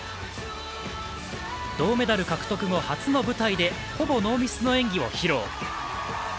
銅メダル獲得後、初の舞台でほぼノーミスの演技を披露。